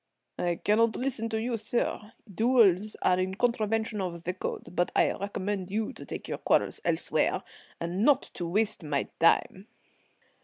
"I cannot listen to you, sir. Duels are in contravention of the Code. But I recommend you to take your quarrels elsewhere, and not to waste my time."